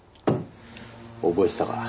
覚えてたか？